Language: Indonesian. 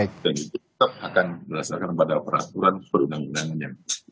dan itu tetap akan berdasarkan pada peraturan perundangan undangan yang penting